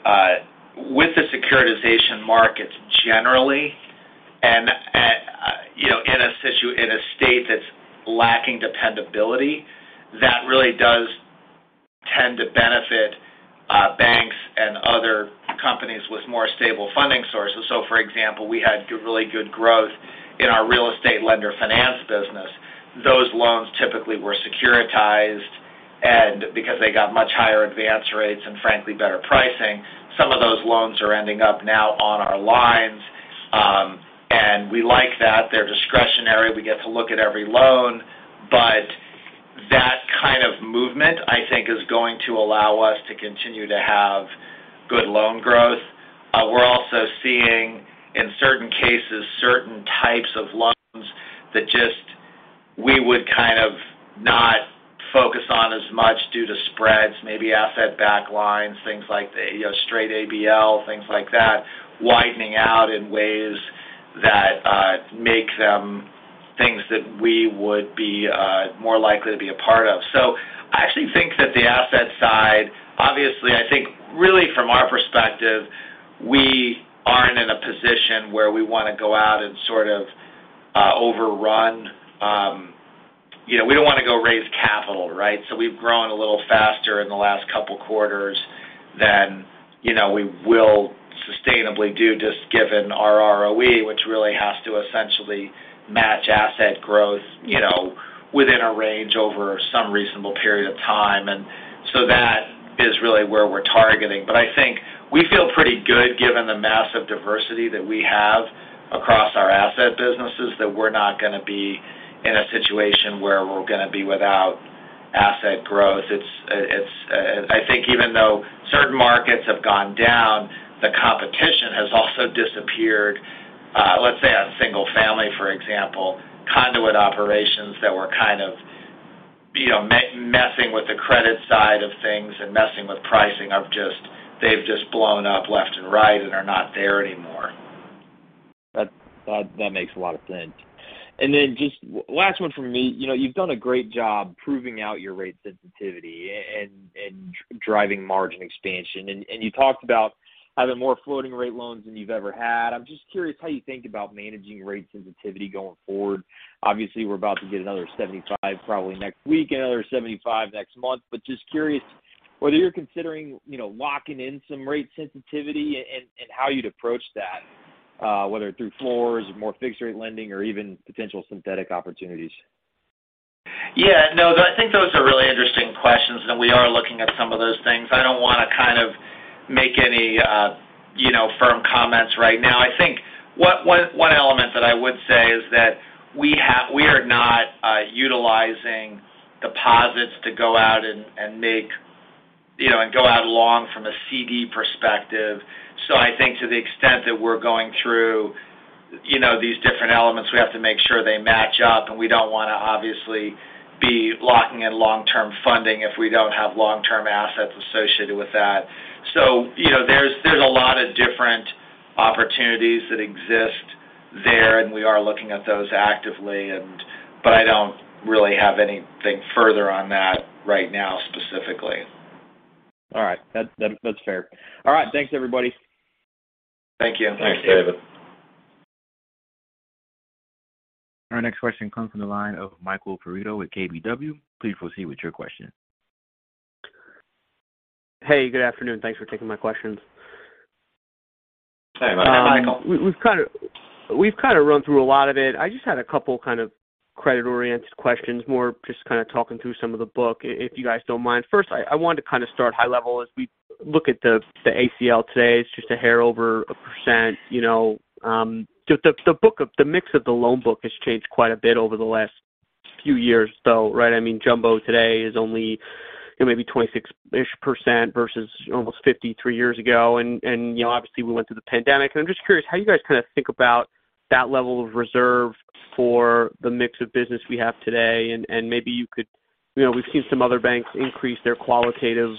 with the securitization markets generally and, you know, in a state that's lacking dependability, that really does tend to benefit banks and other companies with more stable funding sources. For example, we had really good growth in our real estate lender finance business. Those loans typically were securitized, and because they got much higher advance rates and frankly better pricing, some of those loans are ending up now on our lines. We like that. They're discretionary. We get to look at every loan. That kind of movement, I think, is going to allow us to continue to have good loan growth. We're also seeing, in certain cases, certain types of loans that just we would kind of not focus on as much due to spreads, maybe asset-backed lines, things like the, you know, straight ABL, things like that, widening out in ways that make them things that we would be more likely to be a part of. I actually think that the asset side. Obviously, I think really from our perspective, we aren't in a position where we wanna go out and sort of overrun. You know, we don't wanna go raise capital, right? We've grown a little faster in the last couple quarters than, you know, we will sustainably do just given our ROE, which really has to essentially match asset growth, you know, within a range over some reasonable period of time. That is really where we're targeting. I think we feel pretty good given the massive diversity that we have across our asset businesses, that we're not going to be in a situation where we're going to be without asset growth. It's, I think even though certain markets have gone down, the competition has also disappeared. Let's say on single-family, for example, conduit operations that were kind of, you know, messing with the credit side of things and messing with pricing have just. They've just blown up left and right and are not there anymore. That makes a lot of sense. Then just last one from me. You know, you've done a great job proving out your rate sensitivity and driving margin expansion. You talked about having more floating rate loans than you've ever had. I'm just curious how you think about managing rate sensitivity going forward. Obviously, we're about to get another 75 probably next week, another 75 next month. Just curious whether you're considering, you know, locking in some rate sensitivity and how you'd approach that, whether through floors, more fixed rate lending, or even potential synthetic opportunities. Yeah. No, I think those are really interesting questions, and we are looking at some of those things. I don't want to kind of make any, you know, firm comments right now. I think one element that I would say is that we are not utilizing deposits to go out and make, you know, and go out long from a CD perspective. So I think to the extent that we're going through, you know, these different elements, we have to make sure they match up, and we don't want to obviously be locking in long-term funding if we don't have long-term assets associated with that. So, you know, there's a lot of different opportunities that exist there, and we are looking at those actively but I don't really have anything further on that right now specifically. All right. That, that's fair. All right. Thanks, everybody. Thank you. Thanks, David. Our next question comes from the line of Michael Perito with KBW. Please proceed with your question. Hey, good afternoon. Thanks for taking my questions. Hey, Michael. We've kind of run through a lot of it. I just had a couple kind of credit-oriented questions, more just kind of talking through some of the book, if you guys don't mind. First, I wanted to kind of start high level. As we look at the ACL today, it's just a hair over a percent. The mix of the loan book has changed quite a bit over the last few years, though, right? I mean, Jumbo today is only maybe 26-ish% versus almost 53 years ago. Obviously we went through the pandemic. I'm just curious how you guys kind of think about that level of reserve for the mix of business we have today. Maybe you could. You know, we've seen some other banks increase their qualitative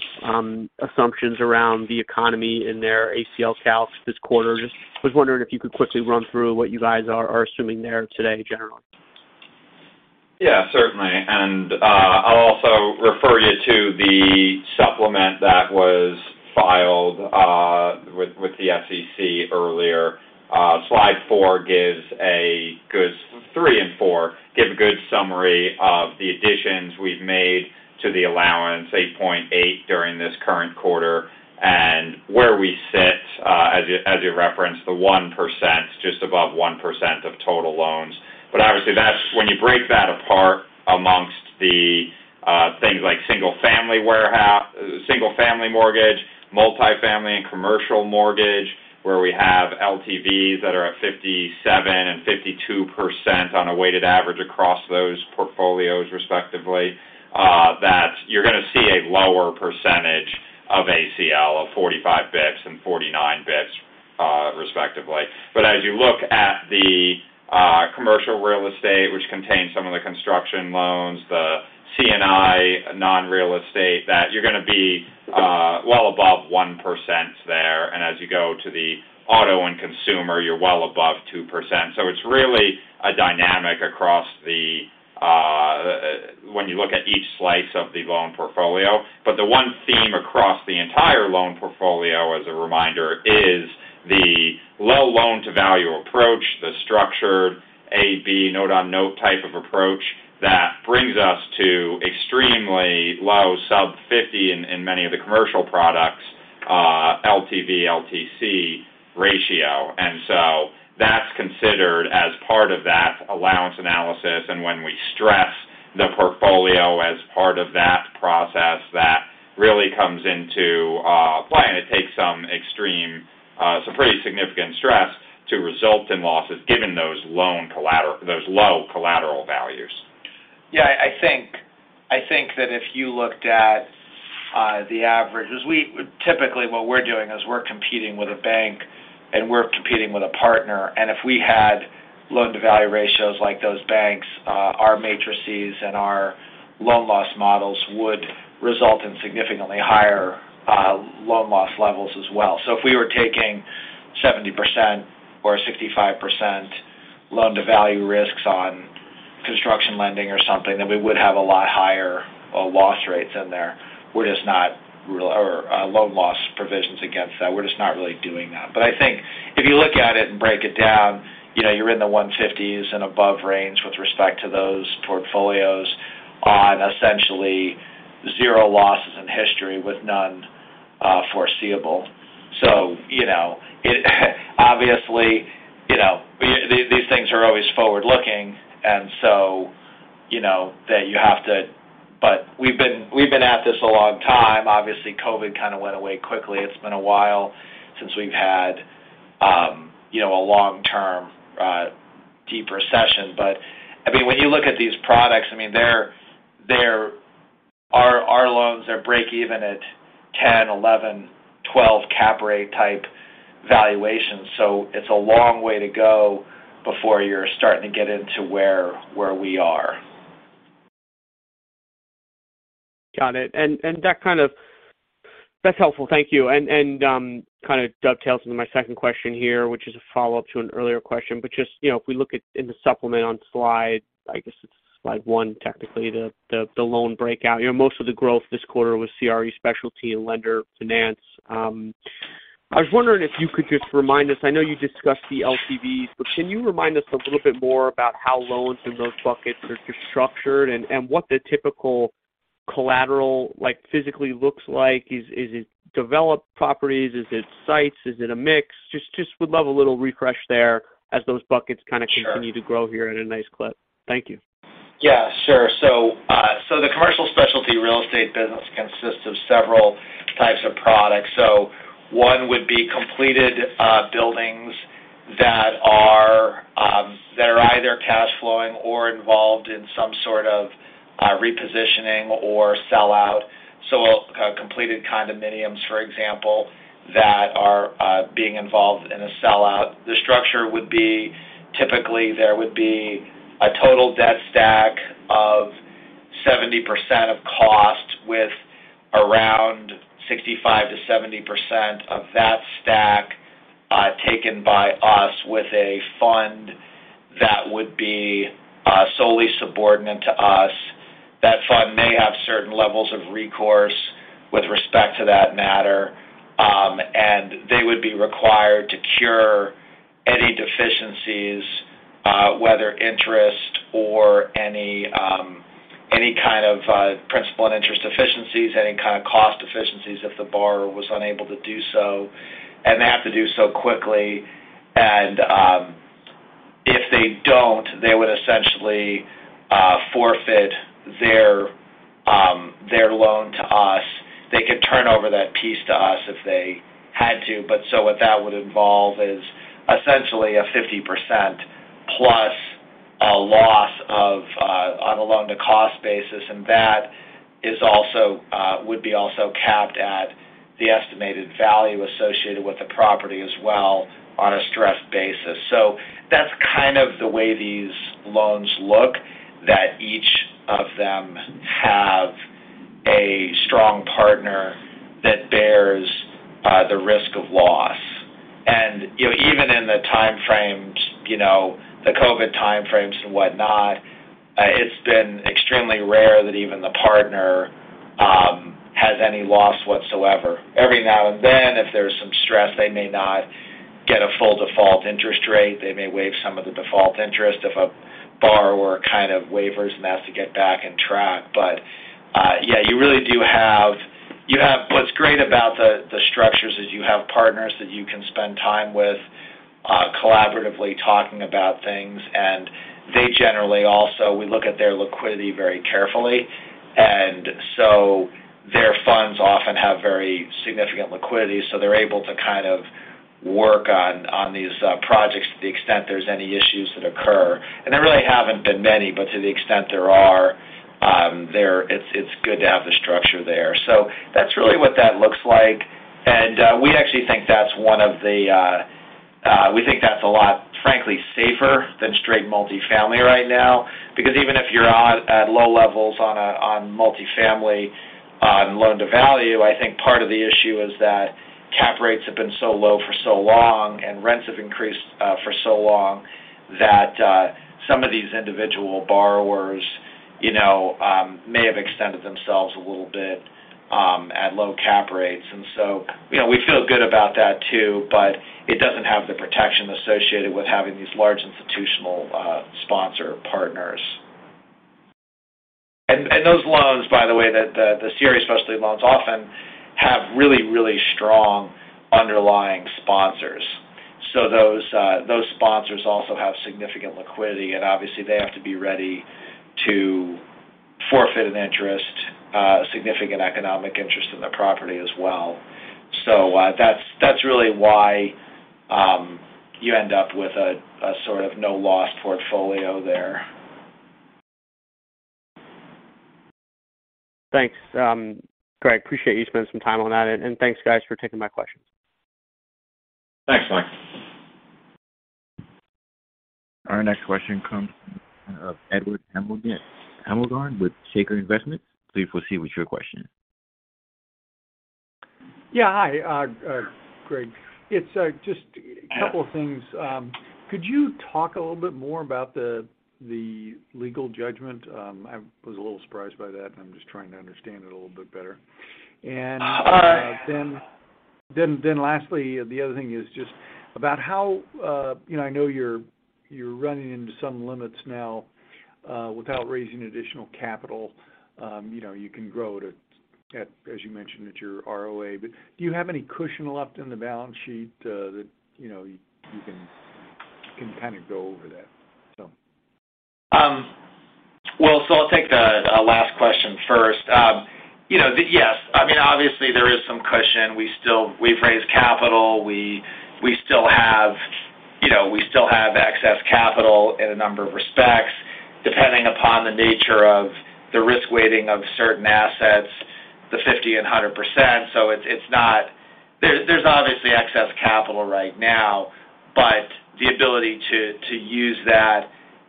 assumptions around the economy in their ACL calcs this quarter. Just was wondering if you could quickly run through what you guys are assuming there today, generally. Yeah, certainly. I'll also refer you to the supplement that was filed with the SEC earlier. Three and four give a good summary of the additions we've made to the allowance, 8.8% during this current quarter and where we sit, as you referenced, the 1%, just above 1% of total loans. Obviously that's when you break that apart among the things like single family mortgage, multifamily and commercial mortgage, where we have LTVs that are at 57% and 52% on a weighted average across those portfolios respectively, that you're going to see a lower percentage of ACL of 45 basis points and 49 basis points, respectively. As you look at the commercial real estate, which contains some of the construction loans, the C&I non-real estate, that you're going to be well above 1% there. As you go to the auto and consumer, you're well above 2%. It's really a dynamic across the board when you look at each slice of the loan portfolio. The one theme across the entire loan portfolio as a reminder is the low loan to value approach, the structured ABL note-on-note type of approach that brings us to extremely low sub-50 in many of the commercial products, LTV, LTC ratio. That's considered as part of that allowance analysis. When we stress the portfolio as part of that process, that really comes into play. It takes some extreme, some pretty significant stress to result in losses given those low collateral values. Yeah, I think that if you looked at the averages, typically what we're doing is we're competing with a bank and we're competing with a partner. If we had loan-to-value ratios like those banks, our matrices and our loan loss models would result in significantly higher loan loss levels as well. If we were taking 70% or 65% loan-to-value risks on construction lending or something, then we would have a lot higher loss rates in there. We're just not or loan loss provisions against that. We're just not really doing that. But I think if you look at it and break it down, you know you're in the 150s and above range with respect to those portfolios. On essentially zero losses in history with none foreseeable. You know, it obviously, you know, these things are always forward-looking, and so you know that you have to. We've been at this a long time. Obviously, COVID kind of went away quickly. It's been a while since we've had you know, a long-term deep recession. I mean, when you look at these products, I mean, they're our loans are breakeven at 10%, 11%, 12% cap rate type valuations. It's a long way to go before you're starting to get into where we are. Got it. That's helpful. Thank you. Kind of dovetails into my second question here, which is a follow-up to an earlier question. Just, you know, if we look at in the supplement on slide, I guess it's slide one, technically, the loan breakout. You know, most of the growth this quarter was CRE specialty and lender finance. I was wondering if you could just remind us, I know you discussed the LTVs, but can you remind us a little bit more about how loans in those buckets are structured and what the typical collateral, like, physically looks like? Is it developed properties? Is it sites? Is it a mix? Just would love a little refresh there as those buckets kind of continue to grow here at a nice clip. Thank you. Yeah, sure. The commercial specialty real estate business consists of several types of products. One would be completed buildings that are either cash flowing or involved in some sort of repositioning or sellout. Completed condominiums, for example, that are being involved in a sellout. The structure would be typically there would be a total debt stack of 70% of cost with around 65%-70% of that stack taken by us with a fund that would be solely subordinate to us. That fund may have certain levels of recourse with respect to that matter, and they would be required to cure any deficiencies, whether interest or any kind of principal and interest deficiencies, any kind of cost deficiencies if the borrower was unable to do so, and they have to do so quickly. If they don't, they would essentially forfeit their loan to us. They could turn over that piece to us if they had to. What that would involve is essentially a 50%+ loss on a loan-to-cost basis. That would also be capped at the estimated value associated with the property as well on a stress basis. That's kind of the way these loans look, that each of them have a strong partner that bears the risk of loss. You know, even in the time frames, you know, the COVID time frames and whatnot, it's been extremely rare that even the partner has any loss whatsoever. Every now and then, if there's some stress, they may not get a full default interest rate. They may waive some of the default interest if a borrower kind of wavers and has to get back on track. Yeah, you really do have what's great about the structures is you have partners that you can spend time with collaboratively talking about things. They generally also, we look at their liquidity very carefully. Their funds often have very significant liquidity, so they're able to kind of work on these projects to the extent there's any issues that occur. There really haven't been many, but to the extent there are, it's good to have the structure there. That's really what that looks like. We actually think that's a lot, frankly, safer than straight multifamily right now. Because even if you're at low levels on multifamily on loan-to-value, I think part of the issue is that cap rates have been so low for so long and rents have increased for so long that some of these individual borrowers, you know, may have extended themselves a little bit at low cap rates. You know, we feel good about that too, but it doesn't have the protection associated with having these large institutional sponsor partners. Those loans, by the way, the CRE specialty loans often have really strong underlying sponsors. Those sponsors also have significant liquidity, and obviously they have to be ready to forfeit an interest, significant economic interest in the property as well. That's really why you end up with a sort of no loss portfolio there. Thanks, Greg. Appreciate you spending some time on that. Thanks guys for taking my questions. Thanks, Mike. Our next question comes from Edward Hemmelgarn with Shaker Investments. Please proceed with your question. Yeah. Hi, Greg. It's just a couple of things. Could you talk a little bit more about the legal judgment? I was a little surprised by that, and I'm just trying to understand it a little bit better. Lastly, the other thing is just about how, you know, I know you're running into some limits now without raising additional capital. You know, you can grow at, as you mentioned, at your ROA, but do you have any cushion left in the balance sheet that, you know, you can kind of go over that? I'll take the last question first. You know, yes. I mean, obviously there is some cushion. We've raised capital. We still have excess capital in a number of respects, depending upon the nature of the risk weighting of certain assets, the 50% and 100%. It's not. There's obviously excess capital right now, but the ability to use that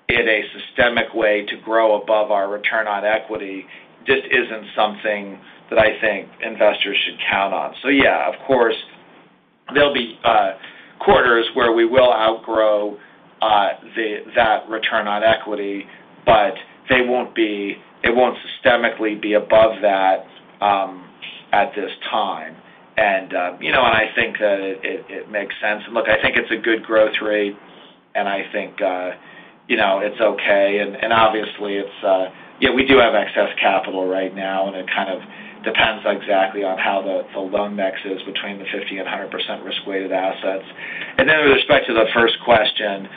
in a systematic way to grow above our return on equity just isn't something that I think investors should count on. Yeah, of course, there'll be quarters where we will outgrow that return on equity, but it won't systematically be above that at this time. You know, I think it makes sense. Look, I think it's a good growth rate, and I think, you know, it's okay. Obviously, it's yeah, we do have excess capital right now, and it kind of depends exactly on how the loan mix is between the 50% and 100% risk-weighted assets. Then with respect to the first question,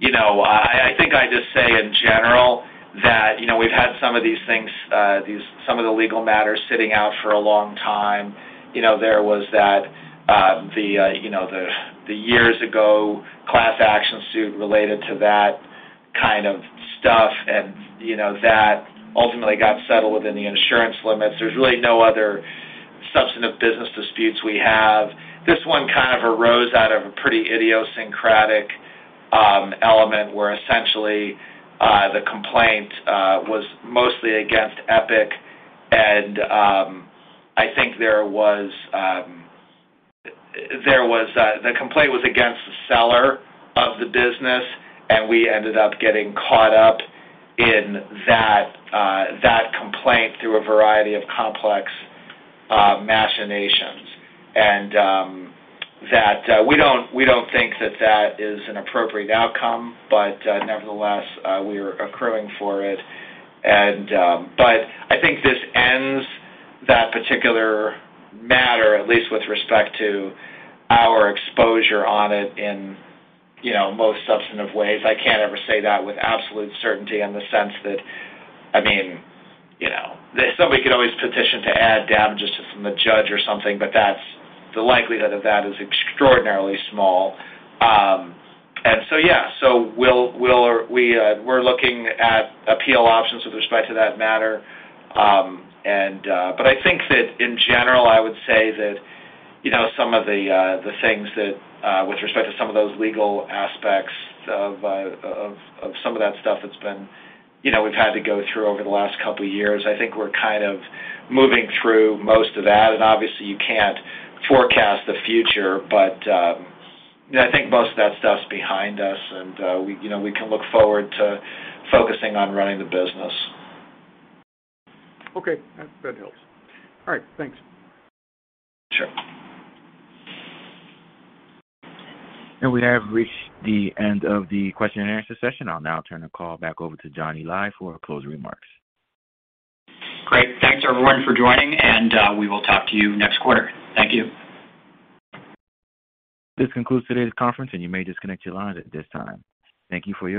you know, I think I just say in general that, you know, we've had some of these things, some of the legal matters sitting out for a long time. You know, there was that, the you know, the years ago class action suit related to that kind of stuff and, you know, that ultimately got settled within the insurance limits. There's really no other substantive business disputes we have. This one kind of arose out of a pretty idiosyncratic element where essentially the complaint was mostly against Epiq. I think the complaint was against the seller of the business, and we ended up getting caught up in that complaint through a variety of complex machinations. We don't think that is an appropriate outcome, but nevertheless we're accruing for it. I think this ends that particular matter, at least with respect to our exposure on it in, you know, most substantive ways. I can't ever say that with absolute certainty in the sense that, I mean, you know, somebody could always petition to add damages from the judge or something, but that's the likelihood of that is extraordinarily small. We're looking at appeal options with respect to that matter. I think that in general, I would say that, you know, some of the things that with respect to some of those legal aspects of some of that stuff that's been, you know, we've had to go through over the last couple of years. I think we're kind of moving through most of that. Obviously, you can't forecast the future, but I think most of that stuff's behind us and we, you know, can look forward to focusing on running the business. Okay. That helps. All right. Thanks. Sure. We have reached the end of the question and answer session. I'll now turn the call back over to Johnny Lai for closing remarks. Great. Thanks, everyone, for joining, and we will talk to you next quarter. Thank you. This concludes today's conference, and you may disconnect your lines at this time. Thank you for your participation.